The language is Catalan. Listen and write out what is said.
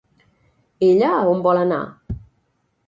Ella a on vol anar?